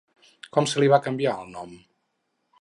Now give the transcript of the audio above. Com se li va canviar el nom?